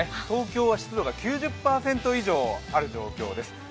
東京は湿度が９０％以上ある状況です。